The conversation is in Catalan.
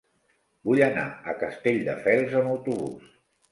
Vull anar a Castelldefels amb autobús.